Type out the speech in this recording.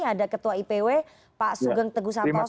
ada ketua ipw pak sugeng teguh santoso